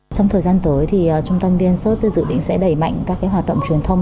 trong thời gian tới trung tâm viên sớt dự định sẽ đẩy mạnh các hoạt động truyền thông